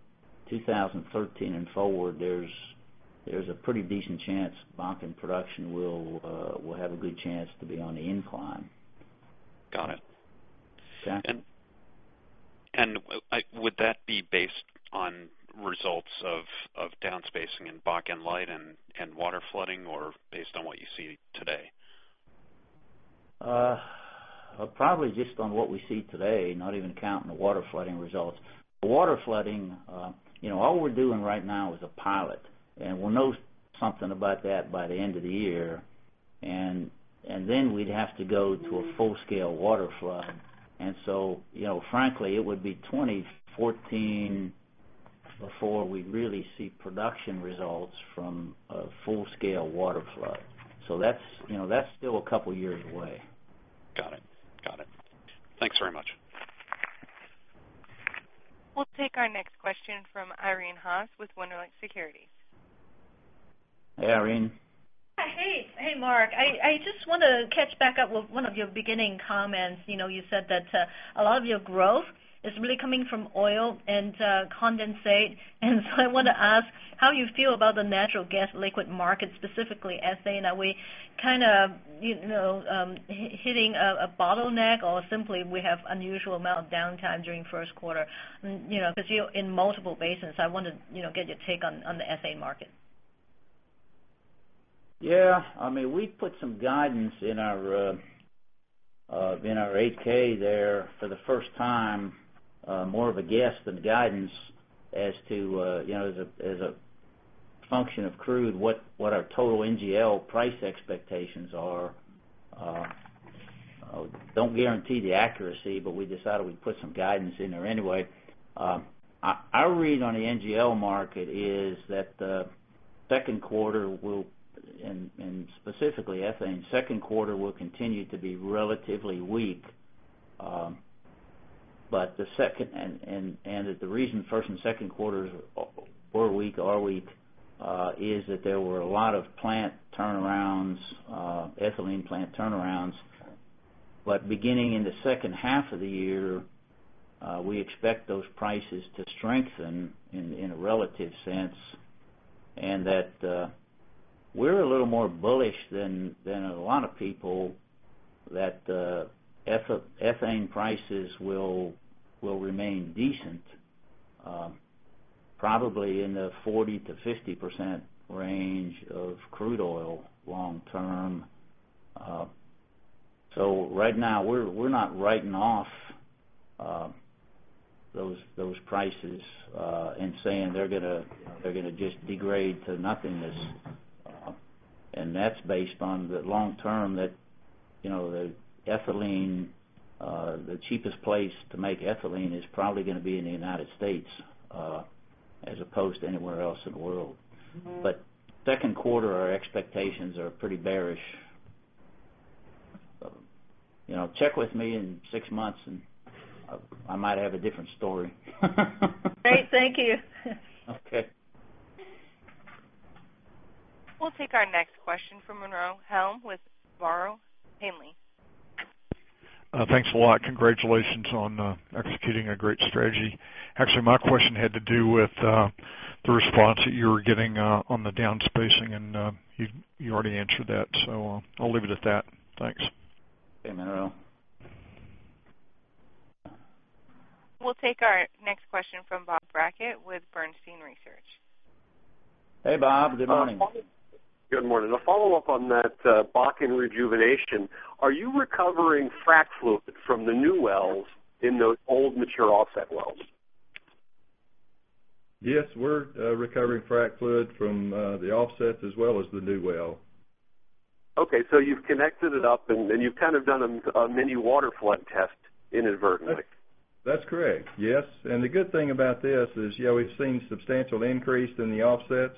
2013 and forward, there's a pretty decent chance Bakken production will have a good chance to be on the incline. Got it. Okay. Would that be based on results of downspacing in Bakken Light and water flooding, or based on what you see today? Probably just on what we see today, not even counting the water flooding results. The water flooding, all we're doing right now is a pilot, and we'll know something about that by the end of the year. We'd have to go to a full-scale water flood. Frankly, it would be 2014 before we'd really see production results from a full-scale water flood. That's still a couple years away. Got it. Thanks very much. We'll take our next question from Irene Haas with Wunderlich Securities. Hey, Irene. Hey, Mark. I just want to catch back up with one of your beginning comments. You said that a lot of your growth is really coming from oil and condensate. I want to ask how you feel about the natural gas liquid market, specifically, ethane. Are we hitting a bottleneck, or simply we have unusual amount of downtime during first quarter? Because you're in multiple basins. I want to get your take on the ethane market. Yeah. We put some guidance in our 8-K there for the first time, more of a guess than guidance as a function of crude, what our total NGL price expectations are. Don't guarantee the accuracy, but we decided we'd put some guidance in there anyway. Our read on the NGL market is that the second quarter will, and specifically ethane, second quarter will continue to be relatively weak. The reason first and second quarters were weak, are weak, is that there were a lot of plant turnarounds, ethylene plant turnarounds. Beginning in the second half of the year, we expect those prices to strengthen in a relative sense. We're a little more bullish than a lot of people that ethane prices will remain decent, probably in the 40%-50% range of crude oil long term. Right now, we're not writing off those prices and saying they're going to just degrade to nothingness. That's based on the long term that the cheapest place to make ethylene is probably going to be in the United States as opposed to anywhere else in the world. Second quarter, our expectations are pretty bearish. Check with me in six months, and I might have a different story. Great. Thank you. Okay. We'll take our next question from Monroe Helm with Barrow, Hanley. Thanks a lot. Congratulations on executing a great strategy. Actually, my question had to do with the response that you were getting on the down spacing, and you already answered that. I'll leave it at that. Thanks. Hey, Monroe. We'll take our next question from Bob Brackett with Bernstein Research. Hey, Bob. Good morning. Good morning. A follow-up on that Bakken rejuvenation. Are you recovering frack fluid from the new wells in those old mature offset wells? Yes, we're recovering frack fluid from the offsets as well as the new well. Okay, you've connected it up, and you've kind of done a mini water flood test inadvertently. That's correct. Yes. The good thing about this is, we've seen substantial increase in the offsets,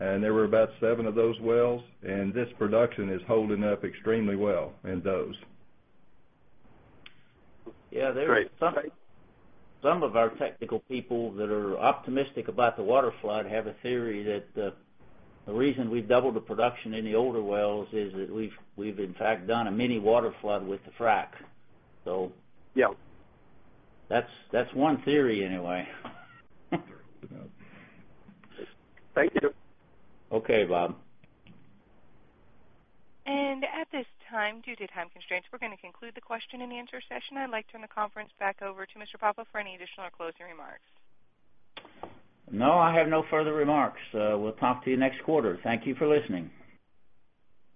and there were about seven of those wells, and this production is holding up extremely well in those. Yeah. Great. Some of our technical people that are optimistic about the water flood have a theory that the reason we've doubled the production in the older wells is that we've in fact, done a mini water flood with the frack. Yeah that's one theory anyway. Thank you. Okay, Bob. At this time, due to time constraints, we're going to conclude the question and answer session. I'd like to turn the conference back over to Mr. Papa for any additional or closing remarks. No, I have no further remarks. We'll talk to you next quarter. Thank you for listening.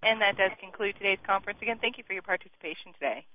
That does conclude today's conference. Again, thank you for your participation today.